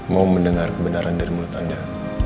mau mendengar kebenaran dari mulut anda